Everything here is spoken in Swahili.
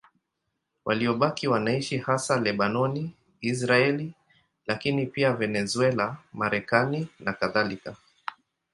Waliobaki wanaishi hasa Lebanoni, Israeli, lakini pia Venezuela, Marekani nakadhalika.